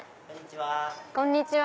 こんにちは。